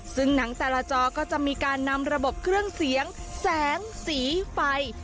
ซึ่งหนังแต่ละจอก็จะมีการนำระบบเครื่องเสียงแสงสีไฟ